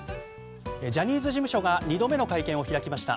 ジャニーズ事務所が２度目の会見を開きました。